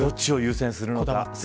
どっちを優先するのか。